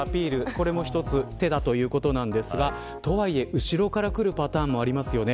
これも１つ手だということなんですがとはいえ、後ろからくるパターンもありますよね。